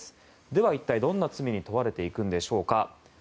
では一体どんな罪に問われていくんでしょうか。